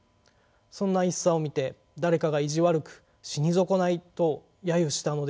そんな一茶を見て誰かが意地悪く「死に損ない」とやゆしたのでしょう。